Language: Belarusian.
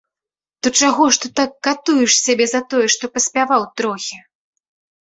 То чаго ж ты так катуеш сябе за тое, што паспяваў трохі?